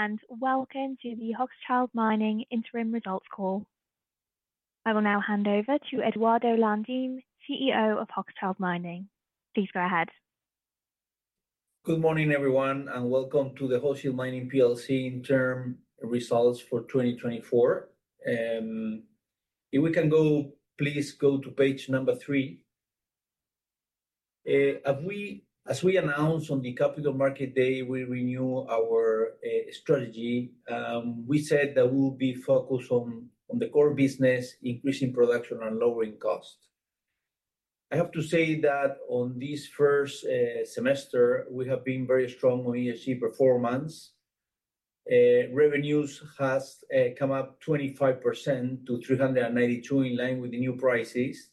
Hello, and welcome to the Hochschild Mining interim results call. I will now hand over to Eduardo Landín, CEO of Hochschild Mining. Please go ahead. Good morning, everyone, and welcome to the Hochschild Mining PLC interim results for 2024. If we can go, please go to Page 3. As we announced on the Capital Market Day, we renew our strategy. We said that we'll be focused on the core business, increasing production, and lowering cost. I have to say that on this first semester, we have been very strong on ESG performance. Revenues has come up 25% to $392, in line with the new prices.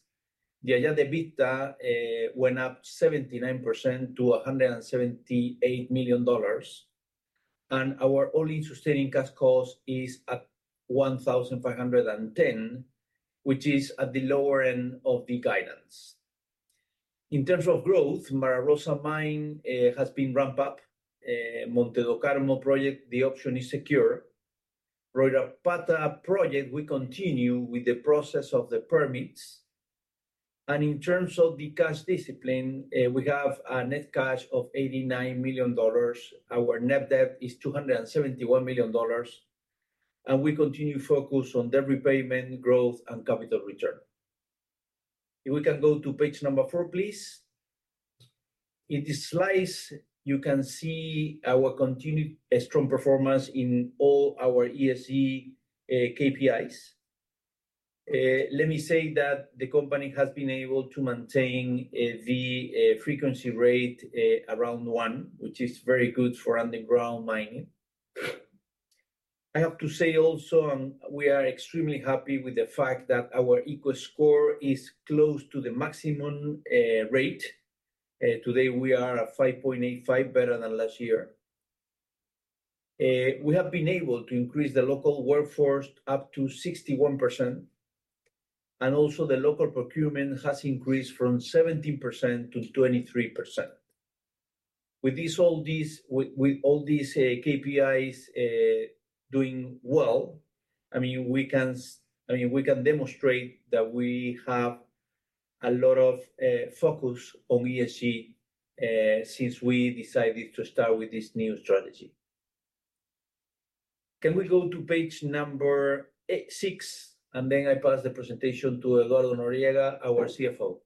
The EBITDA went up 79% to $178 million. And our all-in sustaining cash cost is at $1,510, which is at the lower end of the guidance. In terms of growth, Mara Rosa mine has been ramped up. Monte do Carmo project, the option is secure. Royropata project, we continue with the process of the permits, and in terms of the cash discipline, we have a net cash of $89 million. Our net debt is $271 million, and we continue focused on debt repayment, growth, and capital return. If we can go to page number 4, please. In this slide, you can see our continued strong performance in all our ESG KPIs. Let me say that the company has been able to maintain the frequency rate around one, which is very good for underground mining. I have to say also, we are extremely happy with the fact that our ECO Score is close to the maximum rate. Today, we are at 5.85, better than last year. We have been able to increase the local workforce up to 61%, and also the local procurement has increased from 17% to 23%. With this, with all these KPIs doing well, I mean, we can demonstrate that we have a lot of focus on ESG since we decided to start with this new strategy. Can we go to page number six, and then I pass the presentation to Eduardo Noriega, our CFO.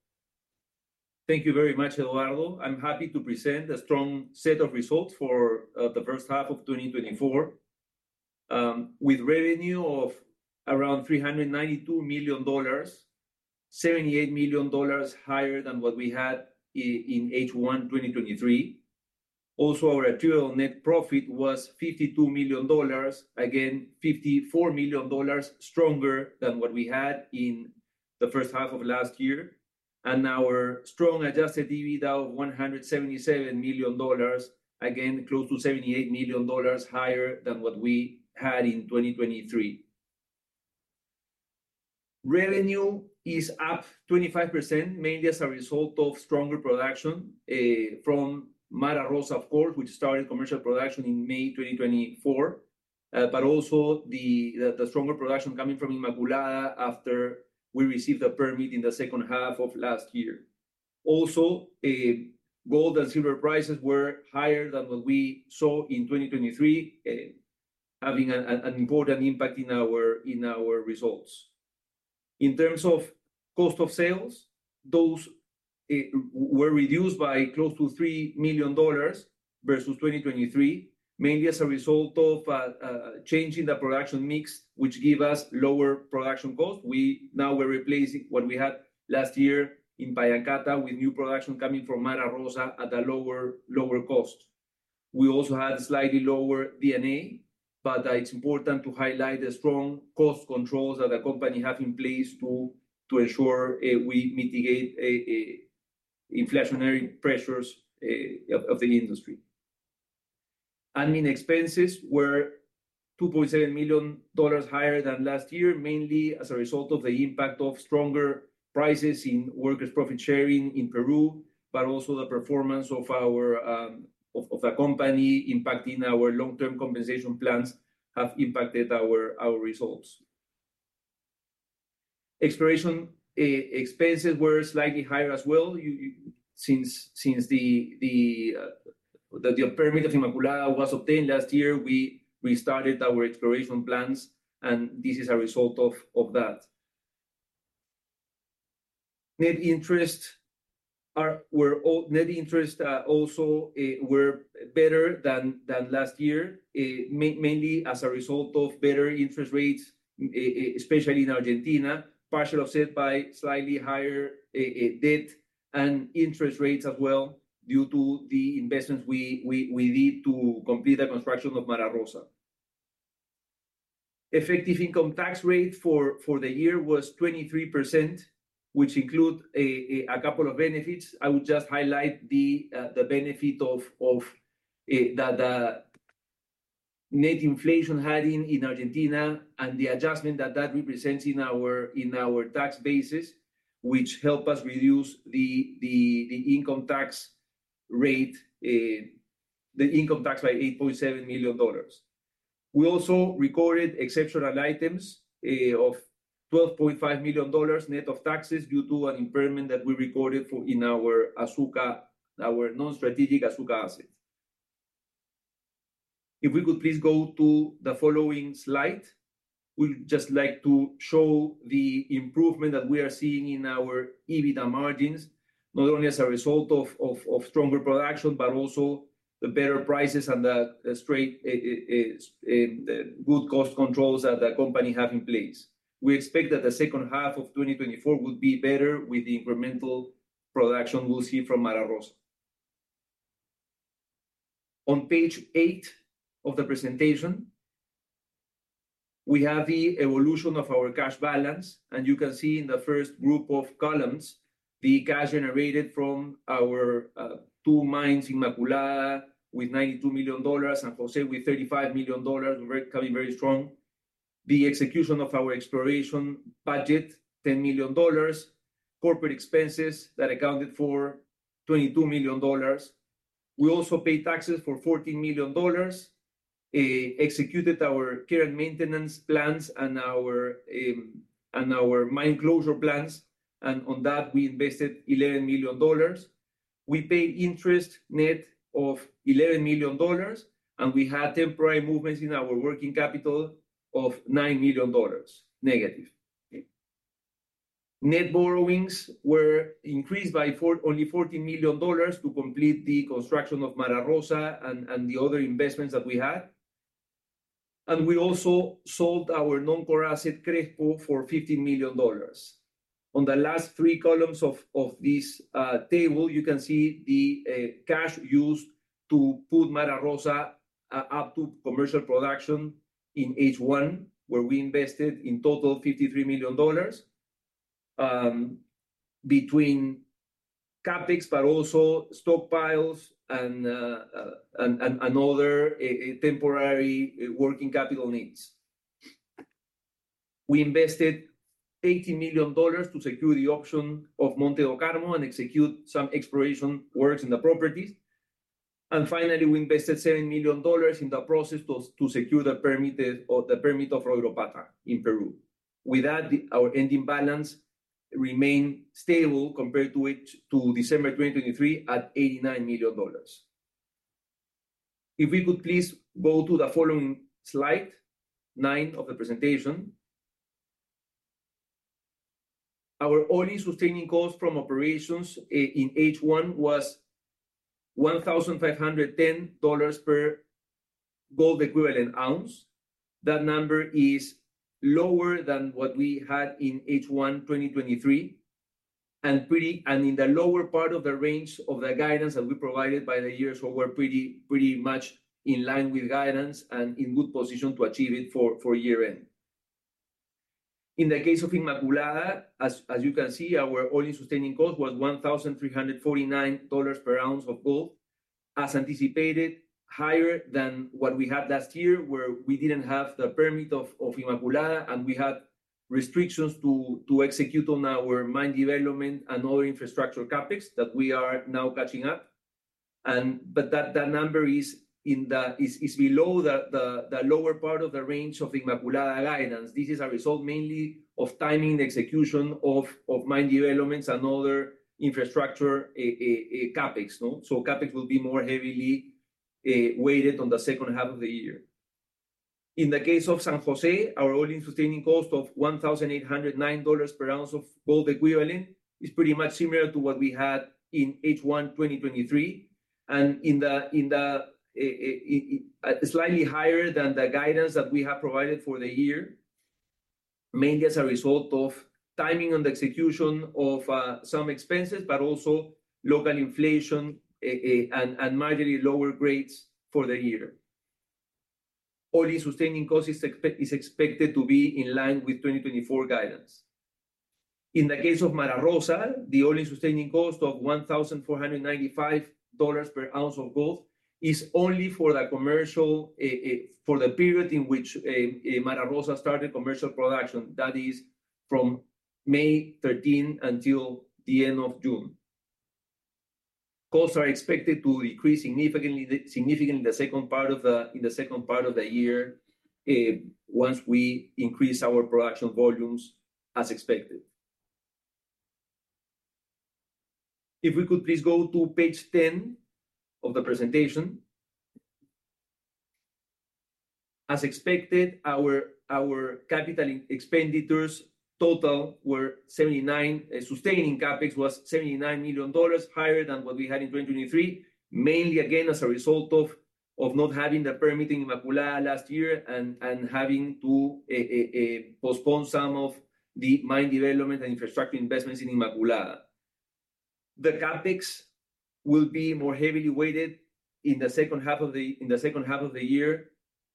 Thank you very much, Eduardo. I'm happy to present a strong set of results for the first half of 2024, with revenue of around $392 million, $78 million higher than what we had in H1 2023. Also, our annual net profit was $52 million, again, $54 million stronger than what we had in the first half of last year. Our strong adjusted EBITDA of $177 million, again, close to $78 million higher than what we had in 2023. Revenue is up 25%, mainly as a result of stronger production from Mara Rosa of course, which started commercial production in May 2024. But also the stronger production coming from Inmaculada after we received a permit in the second half of last year. Also, gold and silver prices were higher than what we saw in 2023, having an important impact in our results. In terms of cost of sales, those were reduced by close to $3 million versus 2023, mainly as a result of a change in the production mix, which give us lower production cost. We're now replacing what we had last year in Pallancata with new production coming from Mara Rosa at a lower cost. We also had slightly lower D&A, but it's important to highlight the strong cost controls that the company have in place to ensure we mitigate an inflationary pressures of the industry. Admin expenses were $2.7 million higher than last year, mainly as a result of the impact of stronger prices in workers' profit sharing in Peru, but also the performance of our company impacting our long-term compensation plans have impacted our results. Exploration expenses were slightly higher as well. Since the permit of Inmaculada was obtained last year, we started our exploration plans, and this is a result of that. Net interest were better than last year, mainly as a result of better interest rates, especially in Argentina, partially offset by slightly higher debt and interest rates as well, due to the investments we did to complete the construction of Mara Rosa. Effective income tax rate for the year was 23%, which include a couple of benefits. I would just highlight the benefit of the net inflation had in Argentina and the adjustment that represents in our tax basis, which help us reduce the income tax by $8.7 million. We also recorded exceptional items of $12.5 million net of taxes due to an impairment that we recorded for in our Azuca, our non-strategic Azuca asset. If we could please go to the following slide. We'd just like to show the improvement that we are seeing in our EBITDA margins, not only as a result of stronger production, but also the better prices and the good cost controls that the company have in place. We expect that the second half of 2024 will be better with the incremental production we'll see from Mara Rosa. On page eight of the presentation, we have the evolution of our cash balance, and you can see in the first group of columns, the cash generated from our two mines, Inmaculada with $92 million, San Jose with $35 million. We're coming very strong. The execution of our exploration budget, $10 million. Corporate expenses, that accounted for $22 million. We also paid taxes for $14 million, executed our care and maintenance plans and our mine closure plans, and on that we invested $11 million. We paid interest net of $11 million, and we had temporary movements in our working capital of $9 million, negative. Net borrowings were increased by only $14 million to complete the construction of Mara Rosa and the other investments that we had. And we also sold our non-core asset, Crespo, for $15 million. On the last three columns of this table, you can see the cash used to put Mara Rosa up to commercial production in H1, where we invested in total $53 million between CapEx, but also stockpiles and other temporary working capital needs. We invested $80 million to secure the option of Monte do Carmo and execute some exploration works in the properties. Finally, we invested $7 million in the process to secure the permit of Royropata in Peru. With that, our ending balance remained stable compared to December 2023 at $89 million. If we could please go to the following slide 9 of the presentation. Our All-in Sustaining Costs from operations in H1 was $1,510 per gold equivalent ounce. That number is lower than what we had in H1 2023, and in the lower part of the range of the guidance that we provided by the year. We're pretty much in line with guidance and in good position to achieve it for year-end. In the case of Inmaculada, as you can see, our all-in sustaining cost was $1,349 per ounce of gold, as anticipated, higher than what we had last year, where we didn't have the permit of Inmaculada, and we had restrictions to execute on our mine development and other infrastructure CapEx, that we are now catching up. But that number is below the lower part of the range of Inmaculada guidance. This is a result mainly of timing the execution of mine developments and other infrastructure CapEx, no? CapEx will be more heavily weighted on the second half of the year. In the case of San Jose, our All-in Sustaining Cost of $1,809 per ounce of gold equivalent is pretty much similar to what we had in H1 2023, and it's slightly higher than the guidance that we have provided for the year, mainly as a result of timing and execution of some expenses, but also local inflation, and marginally lower grades for the year. All-in Sustaining Costs is expected to be in line with 2024 guidance. In the case of Mara Rosa, the All-in Sustaining Cost of $1,495 per ounce of gold is only for the commercial for the period in which Mara Rosa started commercial production. That is from May 13 until the end of June. Costs are expected to decrease significantly in the second part of the year once we increase our production volumes as expected. If we could please go to page ten of the presentation. As expected, our capital expenditures total were $79 million. Sustaining CapEx was $79 million, higher than what we had in 2023. Mainly, again, as a result of not having the permit in Inmaculada last year and having to postpone some of the mine development and infrastructure investments in Inmaculada. The CapEx will be more heavily weighted in the second half of the year,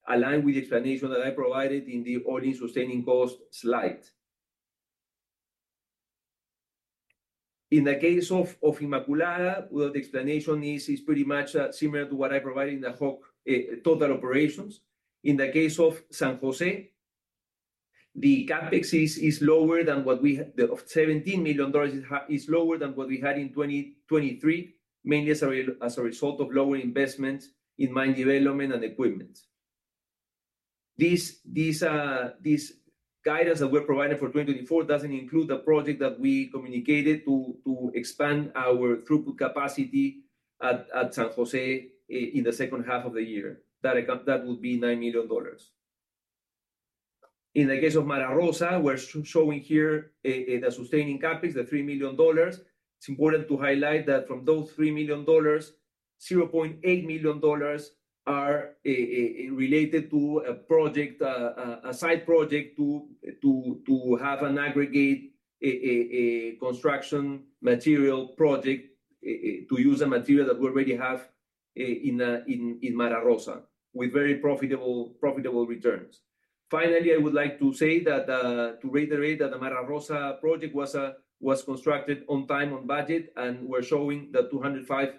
aligned with the explanation that I provided in the all-in sustaining cost slide. In the case of Inmaculada, well, the explanation is pretty much similar to what I provided in the whole total operations. In the case of San Jose, the CapEx is lower than what we had; the $17 million is lower than what we had in 2023, mainly as a result of lower investments in mine development and equipment. This guidance that we're providing for 2024 doesn't include the project that we communicated to expand our throughput capacity at San Jose in the second half of the year. That account, that will be $9 million. In the case of Mara Rosa, we're showing here the sustaining CapEx, the $3 million. It's important to highlight that from those $3 million, $0.8 million are related to a project, a side project to have an aggregate, a construction material project, to use the material that we already have in Mara Rosa, with very profitable returns. Finally, I would like to say that to reiterate that the Mara Rosa project was constructed on time, on budget, and we're showing the $205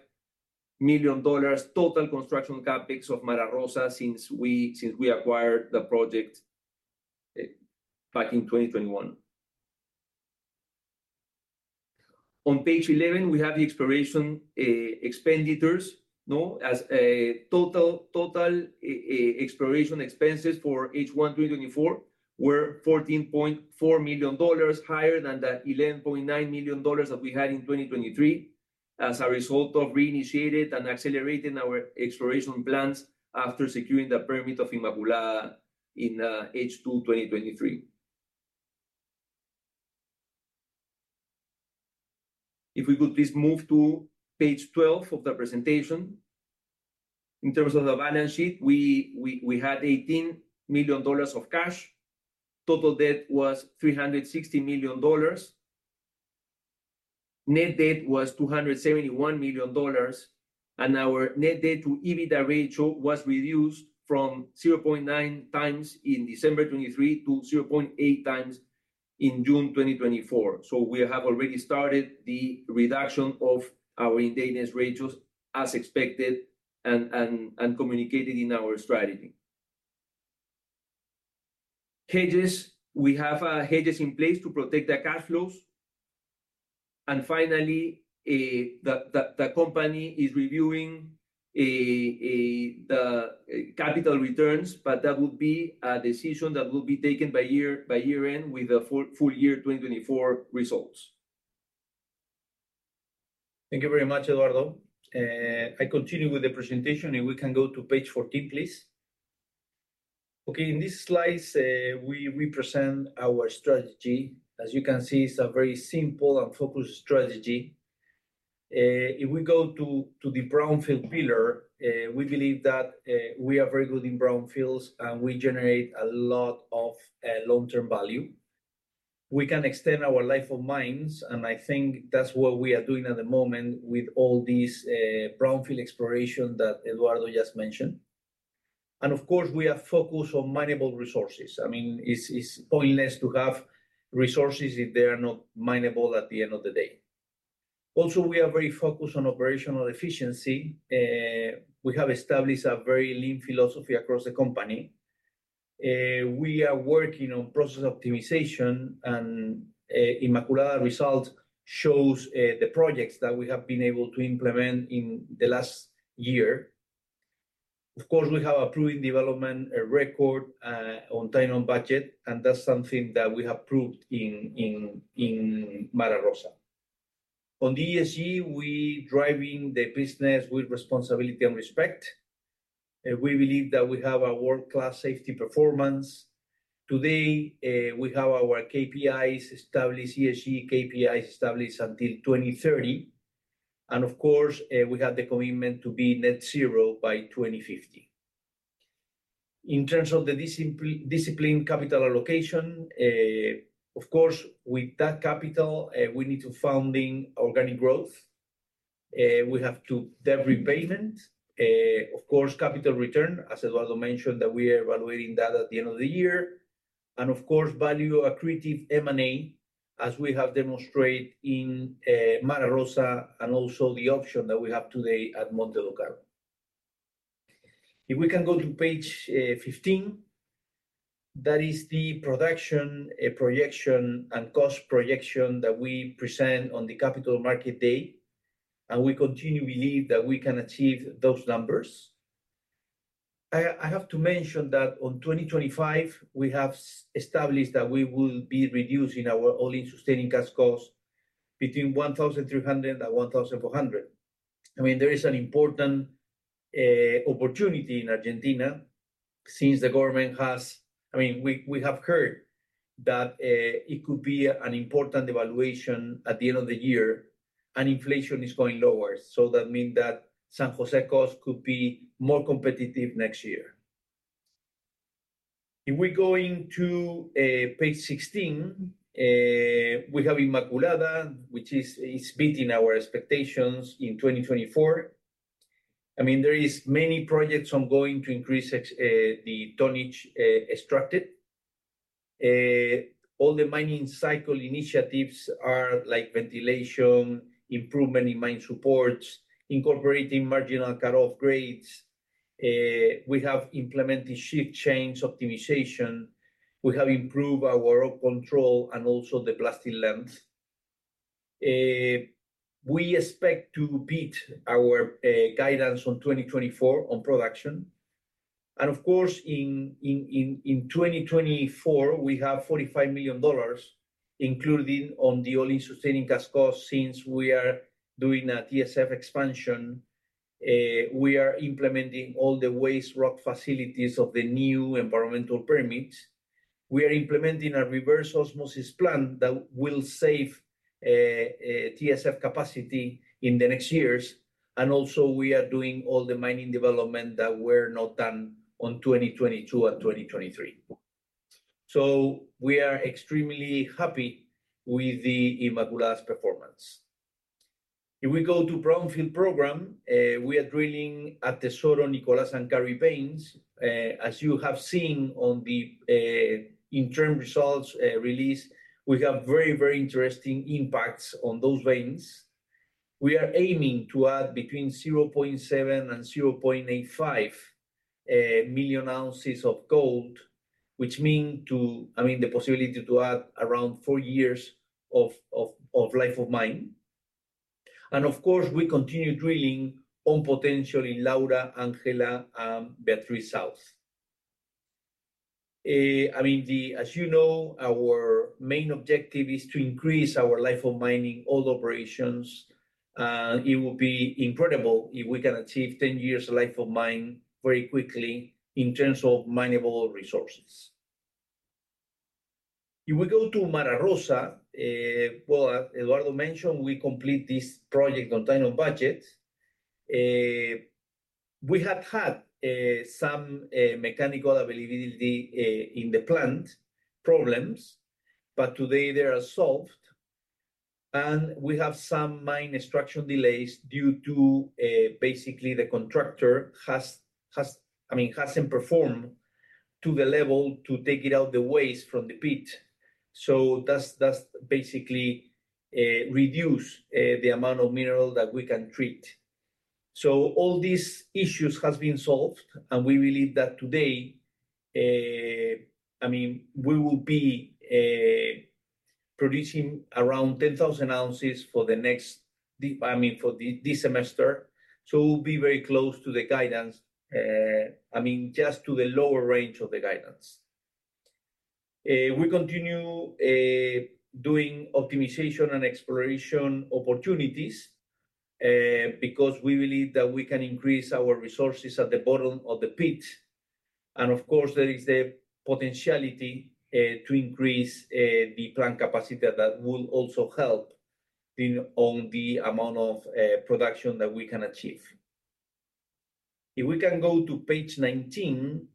million total construction CapEx of Mara Rosa since we acquired the project back in 2021. On page 11, we have the exploration expenditures. No, as a total, exploration expenses for H1 2024 were $14.4 million, higher than the $11.9 million that we had in 2023, as a result of reinitiating and accelerating our exploration plans after securing the permit of Inmaculada in H2 2023. If we could please move to page 12 of the presentation. In terms of the balance sheet, we had $18 million of cash. Total debt was $360 million. Net debt was $271 million, and our net debt to EBITDA ratio was reduced from 0.9 times in December 2023 to 0.8 times in June 2024. So we have already started the reduction of our indebtedness ratios as expected, and communicated in our strategy. Hedges. We have hedges in place to protect the cash flows. And finally, the company is reviewing the capital returns, but that would be a decision that will be taken by year-end with the full year 2024 results. Thank you very much, Eduardo. I continue with the presentation, and we can go to page 14, please. Okay, in this slides, we represent our strategy. As you can see, it's a very simple and focused strategy. If we go to the brownfield Pilar, we believe that we are very good in brownfields, and we generate a lot of long-term value. We can extend our life of mines, and I think that's what we are doing at the moment with all these brownfield exploration that Eduardo just mentioned. And of course, we are focused on mineable resources. I mean, it's pointless to have resources if they are not mineable at the end of the day. Also, we are very focused on operational efficiency. We have established a very lean philosophy across the company. We are working on process optimization, and Inmaculada result shows the projects that we have been able to implement in the last year. Of course, we have a proven development record on time, on budget, and that's something that we have proved in Mara Rosa. On the ESG, we driving the business with responsibility and respect, and we believe that we have a world-class safety performance. Today we have our KPIs established, ESG KPIs established until 2030, and of course we have the commitment to be net zero by 2050. In terms of the discipline, capital allocation, of course, with that capital we need to funding organic growth. We have debt repayment, of course, capital return, as Eduardo mentioned, that we are evaluating that at the end of the year. And of course, value accretive M&A, as we have demonstrated in Mara Rosa, and also the option that we have today at Monte do Carmo. If we can go to page fifteen, that is the production projection and cost projection that we present on the Capital Market Day, and we continue believe that we can achieve those numbers. I have to mention that on 2025, we have established that we will be reducing our all-in sustaining cash costs between $1,300 and $1,400. I mean, there is an important opportunity in Argentina since the government has. I mean, we have heard that it could be an important evaluation at the end of the year, and inflation is going lower. So that mean that San Jose cost could be more competitive next year. If we go into page 16, we have Inmaculada, which is beating our expectations in 2024. I mean, there are many projects ongoing to increase the tonnage extracted. All the mining cycle initiatives are like ventilation, improvement in mine supports, incorporating marginal cut-off grades. We have implemented shift change optimization. We have improved our ore control and also the blast lengths. We expect to beat our guidance on 2024 on production. Of course, in 2024, we have $45 million, including in the all-in sustaining cash cost since we are doing a TSF expansion. We are implementing all the waste rock facilities of the new environmental permits. We are implementing a reverse osmosis plant that will save TSF capacity in the next years, and also we are doing all the mining development that were not done on 2022 and 2023. So we are extremely happy with the Inmaculada's performance. If we go to brownfield program, we are drilling at the Soto, Nicolas, and Kari veins. As you have seen on the interim results release, we have very, very interesting impacts on those veins. We are aiming to add between 0.7 and 0.85 million ounces of gold, which mean I mean, the possibility to add around four years of life of mine. And of course, we continue drilling on potential in Laura, Angela, and Bateas South. I mean, the... As you know, our main objective is to increase our life of mining all operations, and it will be incredible if we can achieve 10 years life of mine very quickly in terms of mineable resources. If we go to Mara Rosa, well, Eduardo mentioned we complete this project on time and budget. We have had some mechanical availability in the plant problems, but today they are solved. We have some mine structural delays due to basically the contractor has, I mean, hasn't performed to the level to take out the waste from the pit. So that's basically reduce the amount of mineral that we can treat. So all these issues has been solved, and we believe that today, I mean, we will be producing around 10,000 ounces for the next, the... I mean, for this semester. So we'll be very close to the guidance, I mean, just to the lower range of the guidance. We continue doing optimization and exploration opportunities, because we believe that we can increase our resources at the bottom of the pit. And of course, there is the potentiality to increase the plant capacity that will also help in on the amount of production that we can achieve. If we can go to page 19,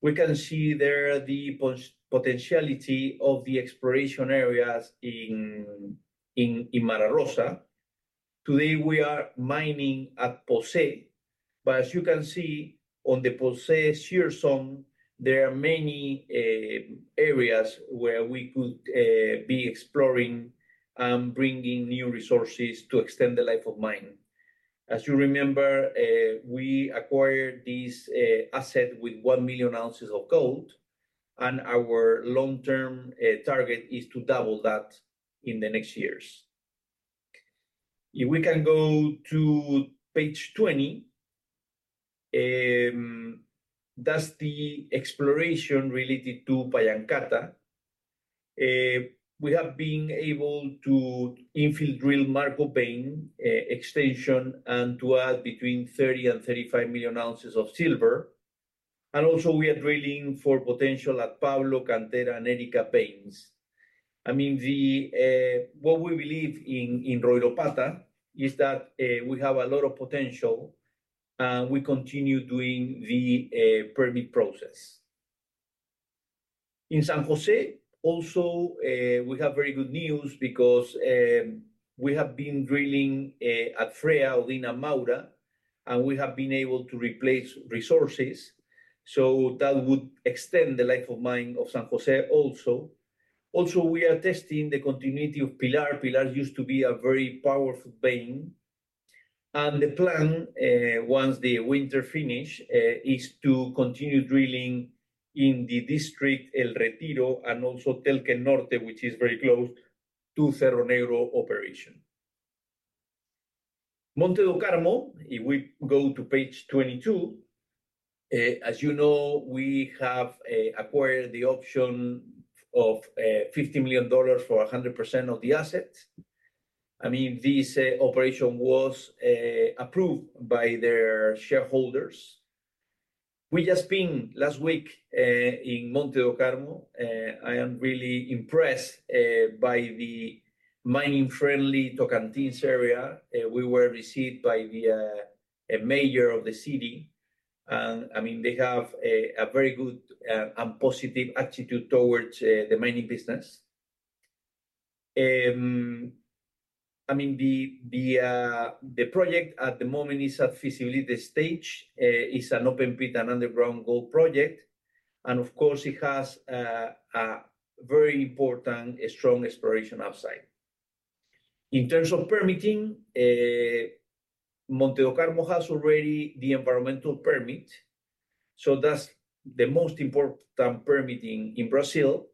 we can see there the potentiality of the exploration areas in Mara Rosa. Today, we are mining at Posse, but as you can see on the Posse shear zone, there are many areas where we could be exploring and bringing new resources to extend the life of mine. As you remember, we acquired this asset with 1 million ounces of gold, and our long-term target is to double that in the next years. If we can go to page 20, that's the exploration related to Pallancata. We have been able to infill drill Marco vein extension and to add between 30 and 35 million ounces of silver. And also, we are drilling for potential at Pablo, Cantera, and Erika veins. I mean, what we believe in Royropata is that we have a lot of potential, and we continue doing the permit process. In San Jose, also, we have very good news because we have been drilling at Frea, Lina, Maura, and we have been able to replace resources, so that would extend the life of mine of San Jose also. Also, we are testing the continuity of Pillar. Pillar used to be a very powerful vein, and the plan, once the winter finish, is to continue drilling in the district El Retiro and also Telken Norte, which is very close to Cerro Negro operation. Monte do Carmo, if we go to page 22, as you know, we have acquired the option of $50 million for 100% of the assets. I mean, this operation was approved by their shareholders. We just been last week in Monte do Carmo. I am really impressed by the mining-friendly Tocantins area. We were received by the mayor of the city, and, I mean, they have a very good and positive attitude towards the mining business. I mean, the project at the moment is at feasibility stage. It's an open pit and underground gold project, and of course, it has a very important, strong exploration upside. In terms of permitting, Monte do Carmo has already the environmental permit, so that's the most important permitting in Brazil.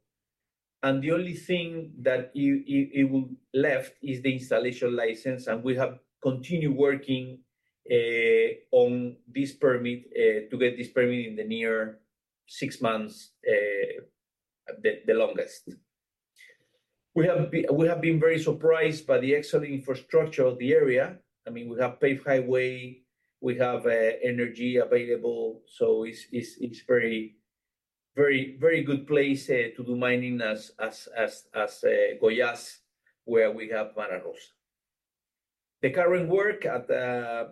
And the only thing that it would left is the installation license, and we have continued working on this permit to get this permit in the near six months, the longest. We have been very surprised by the excellent infrastructure of the area. I mean, we have paved highway, we have energy available, so it's very good place to do mining as Goiás, where we have Mara Rosa. The current work at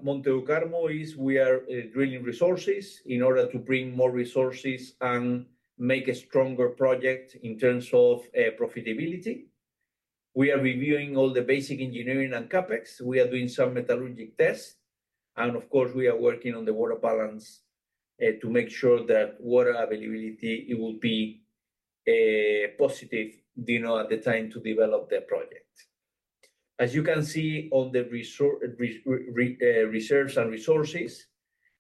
Monte do Carmo is we are drilling resources in order to bring more resources and make a stronger project in terms of profitability. We are reviewing all the basic engineering and CapEx. We are doing some metallurgical tests, and of course, we are working on the water balance to make sure that water availability, it will be positive, you know, at the time to develop the project. As you can see on the reserves and resources,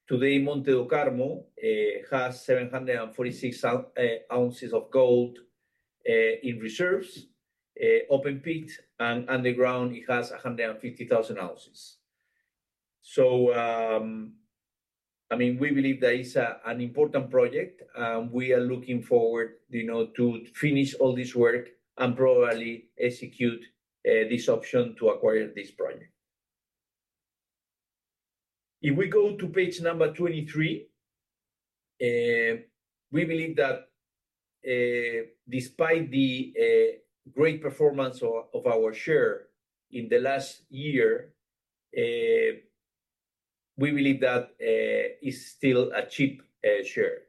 today, Monte do Carmo has 746 ounces of gold in reserves, open pit and underground, it has 150,000 ounces. I mean, we believe that is an important project, and we are looking forward, you know, to finish all this work and probably execute this option to acquire this project. If we go to Page 23, we believe that, despite the great performance of our share in the last year, we believe that it's still a cheap share.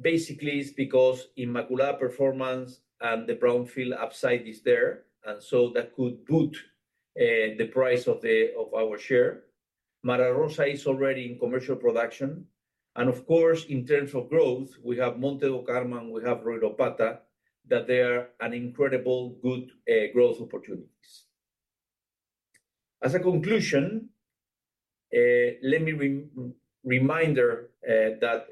Basically, it's because Inmaculada performance and the brownfield upside is there, and so that could boost the price of our share. Mara Rosa is already in commercial production, and of course, in terms of growth, we have Monte do Carmo, and we have Soracaya that they are incredibly good growth opportunities. As a conclusion, let me remind that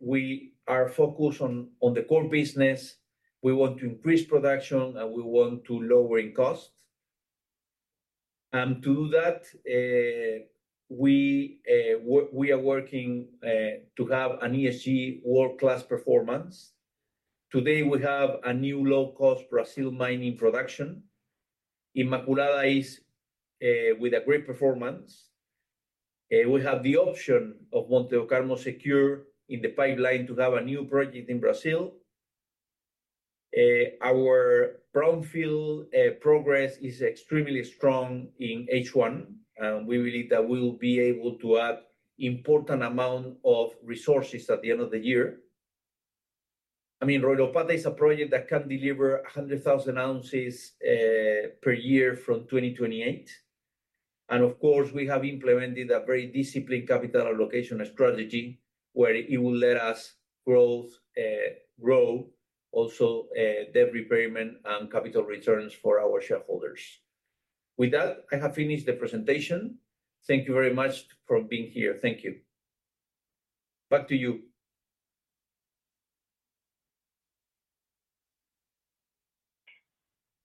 we are focused on the core business. We want to increase production, and we want to lowering costs. To do that, we are working to have an ESG world-class performance. Today, we have a new low-cost Brazil mining production. Inmaculada is with a great performance. We have the option of Monte do Carmo secure in the pipeline to have a new project in Brazil. Our brownfield progress is extremely strong in H1, and we believe that we will be able to add important amount of resources at the end of the year. I mean, Royropata is a project that can deliver 100,000 ounces per year from 2028. Of course, we have implemented a very disciplined capital allocation strategy, where it will let us grow also debt repayment and capital returns for our shareholders. With that, I have finished the presentation. Thank you very much for being here. Thank you. Back to you.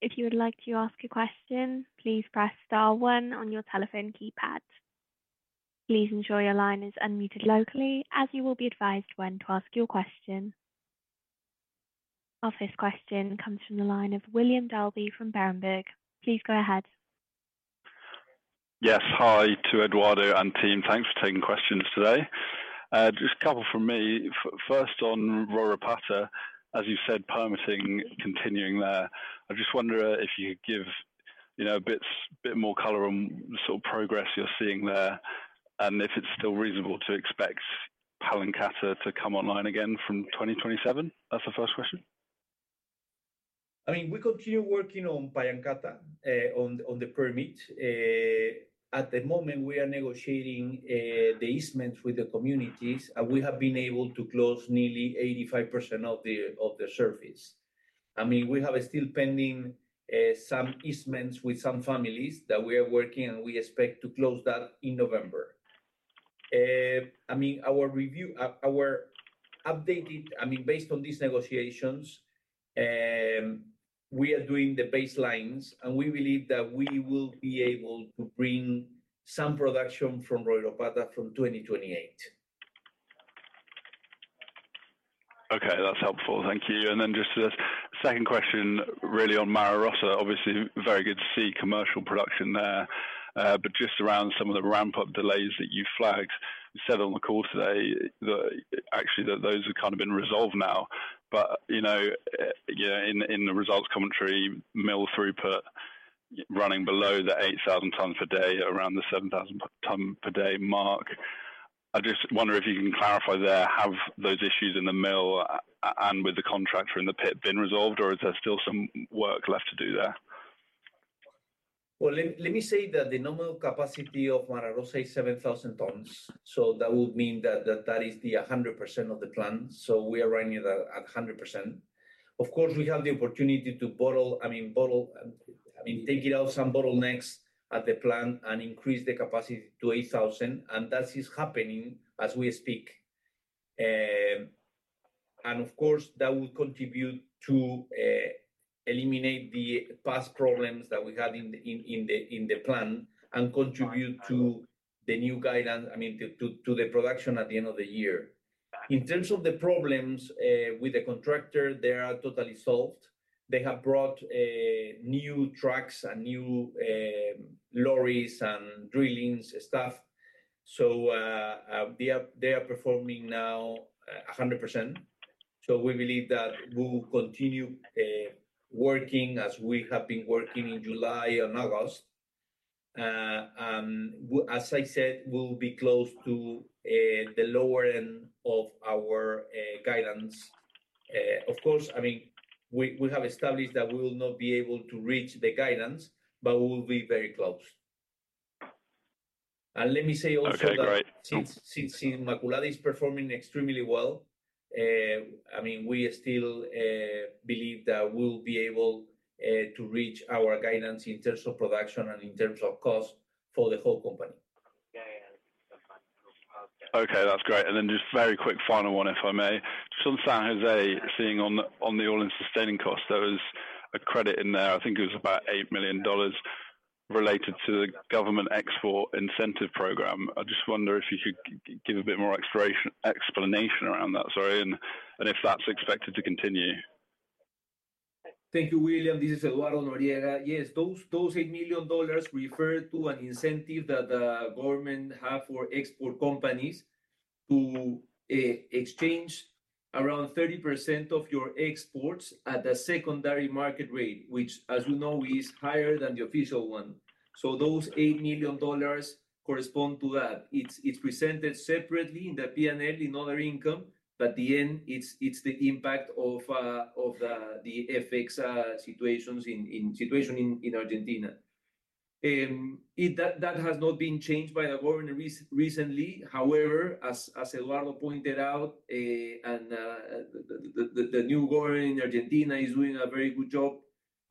If you would like to ask a question, please press star one on your telephone keypad. Please ensure your line is unmuted locally, as you will be advised when to ask your question. Our first question comes from the line of William Dalby from Berenberg. Please go ahead. Yes. Hi to Eduardo and team. Thanks for taking questions today. Just a couple from me. First, on Pallancata, as you said, permitting continuing there. I just wonder if you could give, you know, a bit more color on the sort of progress you're seeing there, and if it's still reasonable to expect Pallancata to come online again from 2027? That's the first question. I mean, we continue working on Pallancata, on the permit. At the moment, we are negotiating the easements with the communities, and we have been able to close nearly 85% of the surface. I mean, we have still pending some easements with some families that we are working, and we expect to close that in November. I mean, our review, our updated... I mean, based on these negotiations, we are doing the baselines, and we believe that we will be able to bring some production from Royropata from 2028. Okay, that's helpful. Thank you. And then just a second question, really on Mara Rosa. Obviously, very good to see commercial production there. But just around some of the ramp-up delays that you flagged, you said on the call today that actually, those have kind of been resolved now. But, you know, yeah, in the results commentary, mill throughput running below the 8,000 tons per day, around the 7,000 tons per day mark. I just wonder if you can clarify there, have those issues in the mill and with the contractor in the pit been resolved, or is there still some work left to do there? Let me say that the normal capacity of Mara Rosa is seven thousand tons, so that would mean that that is 100% of the plan. So we are running at 100%. Of course, we have the opportunity to bottle, I mean, bottle- I mean, take it out some bottlenecks at the plant and increase the capacity to eight thousand, and that is happening as we speak. And of course, that will contribute to eliminate the past problems that we had in the plant and contribute to the new guidance, I mean, to the production at the end of the year. In terms of the problems with the contractor, they are totally solved. They have brought new trucks and new lorries and drilling stuff. They are performing now 100%. We believe that we will continue working as we have been working in July and August. As I said, we'll be close to the lower end of our guidance. Of course, I mean, we have established that we will not be able to reach the guidance, but we will be very close. Let me say also that- Okay, great. Since Inmaculada is performing extremely well, I mean, we still believe that we'll be able to reach our guidance in terms of production and in terms of cost for the whole company. Okay, that's great. And then just very quick final one, if I may. So San Jose, seeing on the all-in sustaining cost, there was a credit in there, I think it was about $8 million related to the government export incentive program. I just wonder if you could give a bit more explanation around that, sorry, and if that's expected to continue. Thank you, William. This is Eduardo Noriega. Yes, those $8 million refer to an incentive that the government have for export companies to exchange around 30% of your exports at the secondary market rate, which, as you know, is higher than the official one. So those $8 million correspond to that. It's presented separately in the P&L in other income, but in the end, it's the impact of the FX situation in Argentina. That has not been changed by the government recently. However, as Eduardo pointed out, and the new government in Argentina is doing a very good job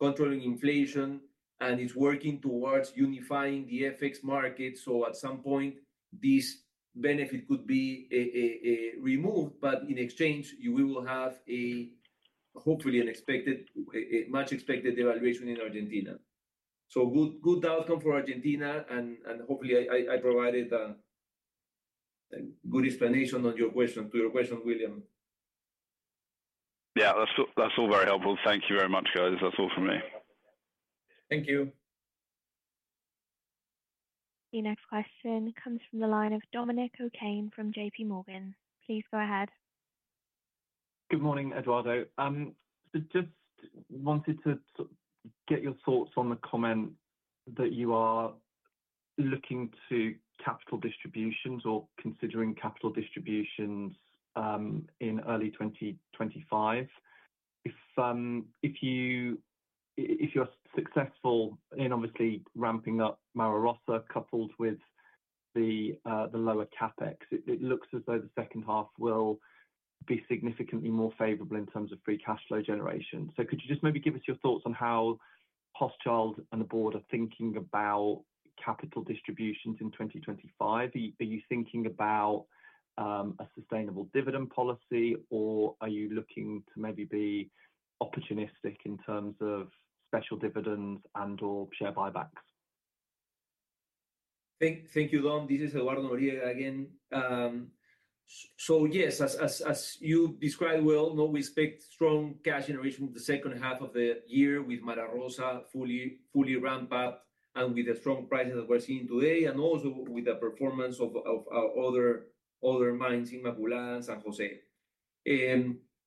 controlling inflation, and it's working towards unifying the FX market. So at some point, this benefit could be removed, but in exchange, you will have hopefully a much expected devaluation in Argentina. Good outcome for Argentina, and hopefully I provided a good explanation to your question, William. Yeah, that's all, that's all very helpful. Thank you very much, guys. That's all for me. Thank you. The next question comes from the line of Dominic O'Cain from J.P. Morgan. Please go ahead. Good morning, Eduardo. So just wanted to get your thoughts on the comment that you are looking to capital distributions or considering capital distributions, in early 2025. If, if you're successful in obviously ramping up Mara Rosa, coupled with the lower CapEx, it looks as though the second half will be significantly more favorable in terms of free cash flow generation. So could you just maybe give us your thoughts on how Hochschild and the board are thinking about capital distributions in 2025? Are you thinking about a sustainable dividend policy, or are you looking to maybe be opportunistic in terms of special dividends and/or share buybacks? Thank you, Dom. This is Eduardo Noriega again. So yes, as you described well, you know we expect strong cash generation in the second half of the year with Mara Rosa fully ramped up and with the strong prices that we're seeing today, and also with the performance of our other mines, Inmaculada and San Jose.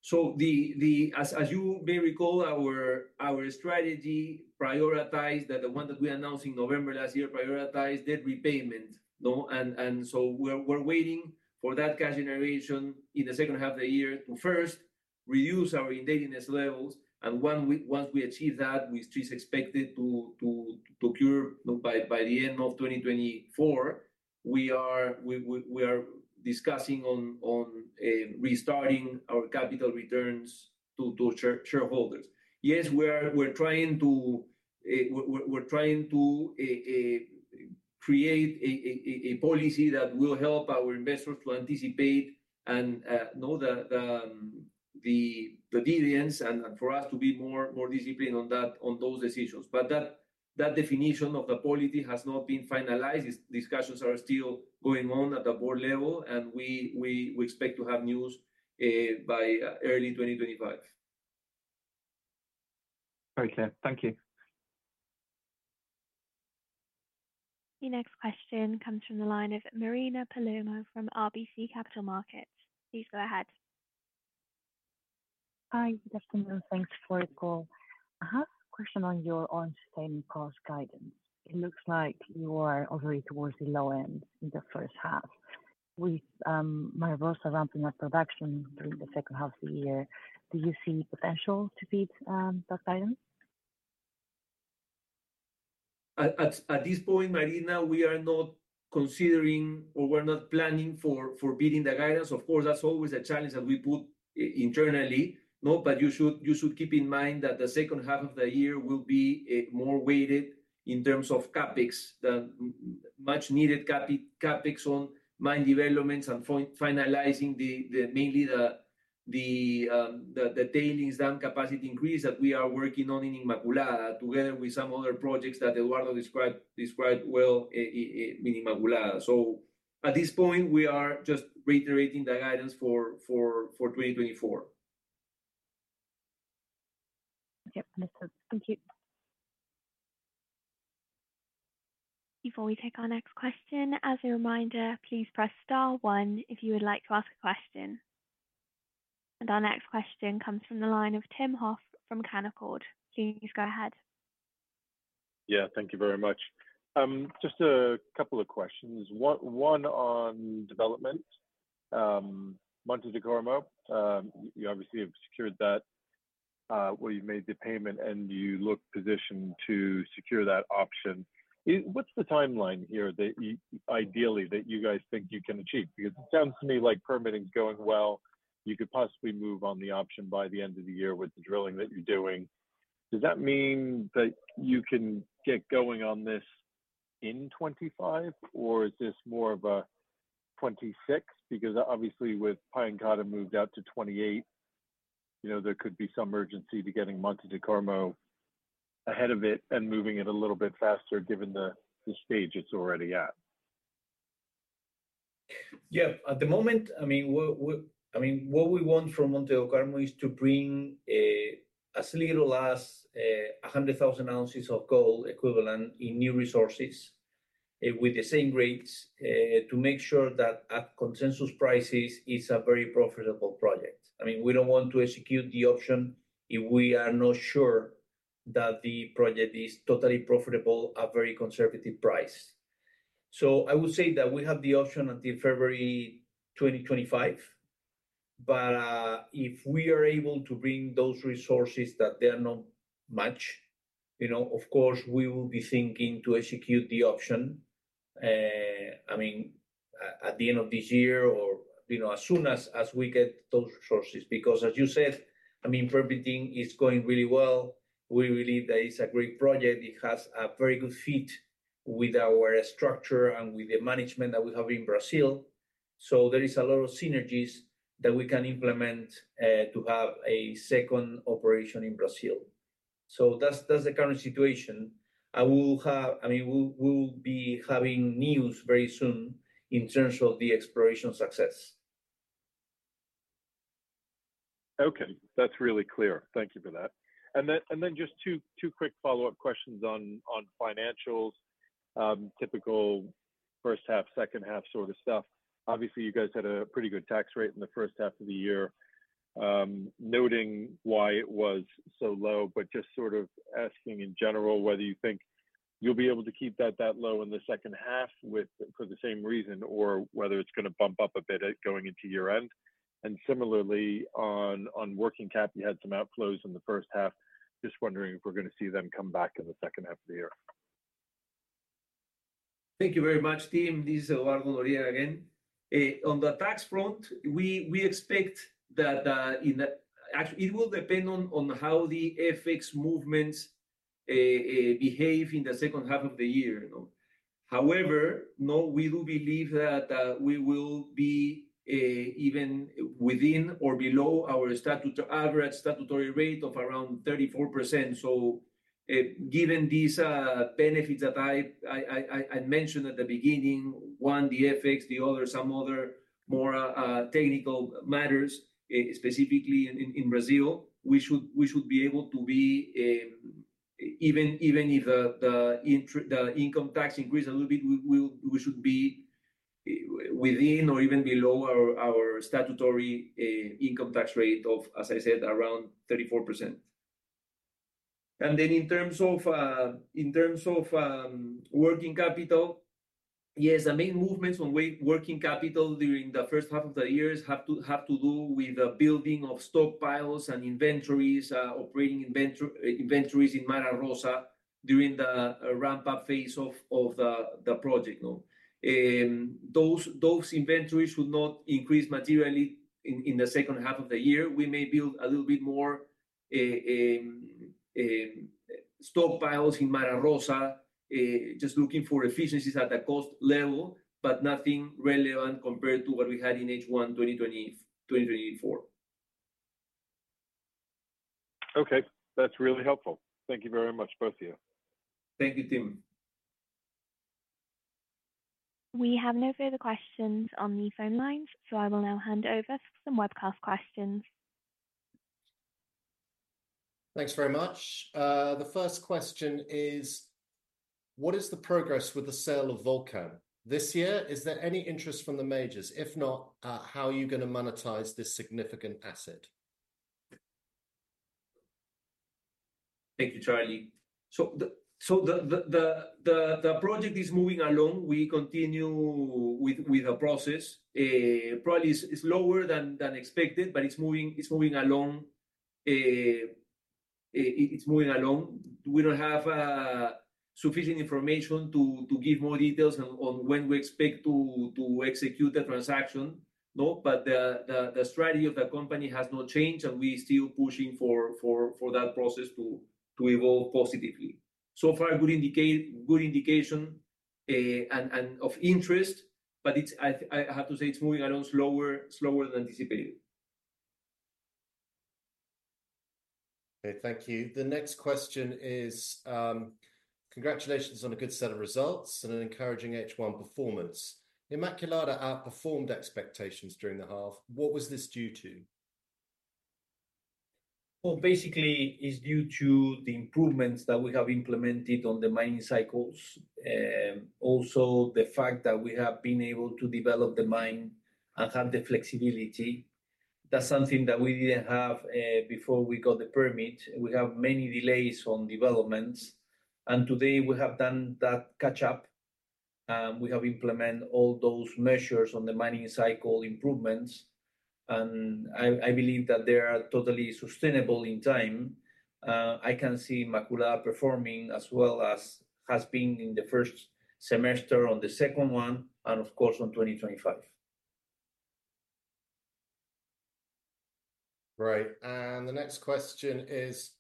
So as you may recall, our strategy, the one that we announced in November last year, prioritized debt repayment. No, and so we're waiting for that cash generation in the second half of the year to first reduce our indebtedness levels, and once we achieve that, we still expected to cure by the end of 2024. We are discussing on restarting our capital returns to shareholders. Yes, we're trying to create a policy that will help our investors to anticipate and know the dividends and for us to be more disciplined on those decisions. But that definition of the policy has not been finalized. These discussions are still going on at the board level, and we expect to have news by early 2025. Very clear. Thank you. The next question comes from the line of Marina Calero from RBC Capital Markets. Please go ahead.... Hi, good afternoon. Thanks for the call. I have a question on your sustaining cost guidance. It looks like you are already towards the low end in the first half. With Mara Rosa ramping up production during the second half of the year, do you see potential to beat that guidance? At this point, Marina, we are not considering or we're not planning for beating the guidance. Of course, that's always a challenge that we put internally. No, but you should keep in mind that the second half of the year will be more weighted in terms of CapEx. The much needed CapEx on mine developments and finalizing mainly the tailings dam capacity increase that we are working on in Inmaculada, together with some other projects that Eduardo described well in Inmaculada. So at this point, we are just reiterating the guidance for 2024. Yep, understood. Thank you. Before we take our next question, as a reminder, please press star one if you would like to ask a question. And our next question comes from the line of Tim Hoff from Canaccord. Please go ahead. Yeah, thank you very much. Just a couple of questions. One on development. Monte do Carmo, you obviously have secured that, where you've made the payment, and you look positioned to secure that option. What's the timeline here that you, ideally, that you guys think you can achieve? Because it sounds to me like permitting is going well. You could possibly move on the option by the end of the year with the drilling that you're doing. Does that mean that you can get going on this in 2025, or is this more of a 2026? Because obviously with Pallancata moved out to 2028, you know, there could be some urgency to getting Monte do Carmo ahead of it and moving it a little bit faster, given the stage it's already at. Yeah. At the moment, I mean, what we want from Monte do Carmo is to bring as little as 100,000 ounces of gold equivalent in new resources, with the same rates, to make sure that at consensus prices, it's a very profitable project. I mean, we don't want to execute the option if we are not sure that the project is totally profitable at very conservative price. So I would say that we have the option until February 2025, but, if we are able to bring those resources that they are not much, you know, of course, we will be thinking to execute the option. I mean, at the end of this year or, you know, as soon as we get those resources, because as you said, I mean, permitting is going really well. We believe that it's a great project. It has a very good fit with our structure and with the management that we have in Brazil. So there is a lot of synergies that we can implement to have a second operation in Brazil. So that's the current situation. I mean, we'll be having news very soon in terms of the exploration success. Okay. That's really clear. Thank you for that. And then just two quick follow-up questions on financials, typical first half, second half sort of stuff. Obviously, you guys had a pretty good tax rate in the first half of the year. Noting why it was so low, but just sort of asking in general whether you think you'll be able to keep that low in the second half for the same reason, or whether it's gonna bump up a bit going into year-end. And similarly, on working cap, you had some outflows in the first half. Just wondering if we're gonna see them come back in the second half of the year. Thank you very much, Tim. This is Eduardo Noriega again. On the tax front, we expect that. Actually, it will depend on how the FX movements behave in the second half of the year, you know. However, no, we do believe that we will be even within or below our statutory average statutory rate of around 34%. So, given these benefits that I mentioned at the beginning, one, the FX, the other, some other more technical matters, specifically in Brazil, we should be able to be even, even if the income tax increase a little bit, we should be within or even below our statutory income tax rate of, as I said, around 34%. Then in terms of working capital, yes, the main movements on working capital during the first half of the year have to do with the building of stockpiles and inventories, operating inventories in Mara Rosa during the ramp-up phase of the project. Those inventories would not increase materially in the second half of the year. We may build a little bit more stockpiles in Mara Rosa, just looking for efficiencies at the cost level, but nothing relevant compared to what we had in H1 2024. Okay. That's really helpful. Thank you very much, both of you. Thank you, Tim. We have no further questions on the phone lines, so I will now hand over for some webcast questions. ... Thanks very much. The first question is: what is the progress with the sale of Volcan? This year, is there any interest from the majors? If not, how are you gonna monetize this significant asset? Thank you, Charlie. So the project is moving along. We continue with the process. Probably it is slower than expected, but it's moving along. It's moving along. We don't have sufficient information to give more details on when we expect to execute the transaction. No, but the strategy of the company has not changed, and we're still pushing for that process to evolve positively. So far, a good indication of interest, but it's... I have to say it's moving along slower than anticipated. Okay, thank you. The next question is: congratulations on a good set of results and an encouraging H1 performance. Inmaculada outperformed expectations during the half. What was this due to? Basically, it's due to the improvements that we have implemented on the mining cycles. Also the fact that we have been able to develop the mine and have the flexibility. That's something that we didn't have before we got the permit. We have many delays on developments, and today we have done that catch up. We have implemented all those measures on the mining cycle improvements, and I believe that they are totally sustainable in time. I can see Inmaculada performing as well as has been in the first semester on the second one, and of course, on 2025. Right. And the next question is: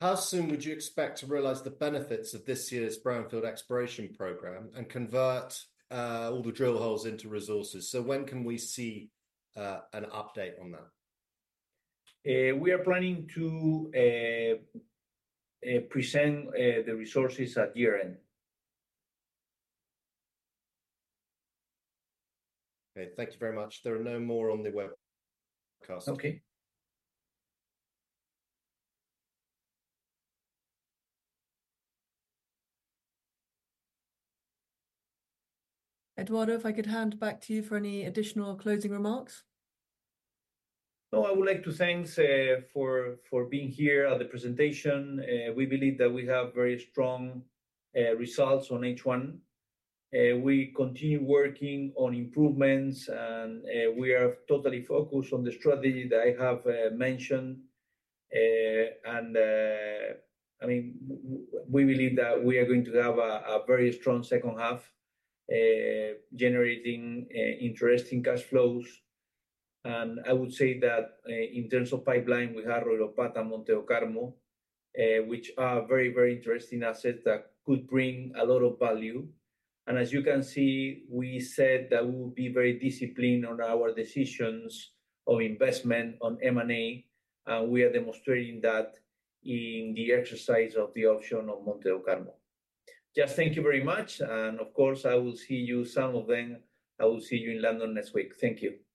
how soon would you expect to realize the benefits of this year's brownfield exploration program and convert all the drill holes into resources? So when can we see an update on that? We are planning to present the resources at year-end. Okay. Thank you very much. There are no more on the webcast. Okay. Eduardo, if I could hand back to you for any additional closing remarks. I would like to thank for being here at the presentation. We believe that we have very strong results on H1. We continue working on improvements, and we are totally focused on the strategy that I have mentioned. I mean, we believe that we are going to have a very strong second half generating interesting cash flows. I would say that in terms of pipeline, we have Royropata and Monte do Carmo, which are very, very interesting assets that could bring a lot of value. As you can see, we said that we will be very disciplined on our decisions of investment on M&A, and we are demonstrating that in the exercise of the option of Monte do Carmo. Just thank you very much, and of course, I will see some of you in London next week. Thank you.